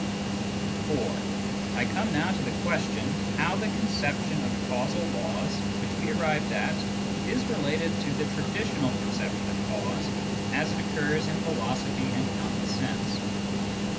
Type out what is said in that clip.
IV. I come now to the question how the conception of causal laws which we have arrived at is related to the traditional conception of cause as it occurs in philosophy and common sense.